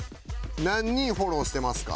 何人フォローしてますか？